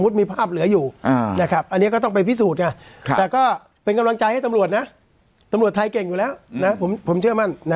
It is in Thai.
ตำรวจไทยเก่งอยู่แล้วผมเชื่อมั่น